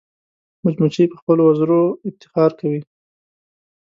مچمچۍ په خپلو وزرو افتخار کوي